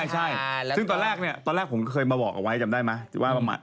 ใช่ซึ่งตอนแรกเนี่ยตอนแรกผมเคยมาบอกเอาไว้จำได้ไหมว่า